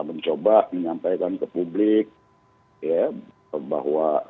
mencoba menyampaikan ke publik ya bahwa